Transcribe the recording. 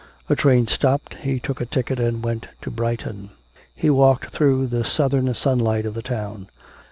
A train stopped. He took a ticket and went to Brighton. He walked through the southern sunlight of the town.